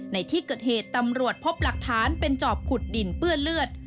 ในที่เกิดเหตุตำรวจพบหลักฐานเป็นจอบขุดดินเปื้อนเลือด